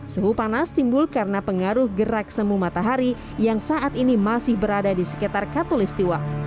suhu panas timbul karena pengaruh gerak semu matahari yang saat ini masih berada di sekitar katolistiwa